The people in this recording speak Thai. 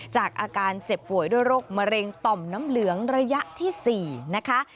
จากอาการเจ็บป่วยด้วยโรคมะเร็งต่อมน้ำเหลืองระยะที่๔นะคะ